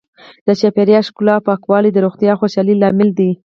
د چاپیریال ښکلا او پاکوالی د روغتیا او خوشحالۍ لامل دی.